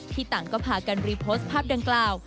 ต่างก็พากันรีโพสต์ภาพดังกล่าว